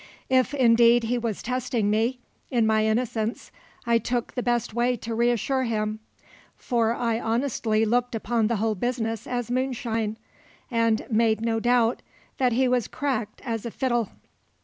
If indeed he was testing me, in my innocence I took the best way to reassure him; for I honestly looked upon the whole business as moonshine, and made no doubt that he was cracked as a fiddle.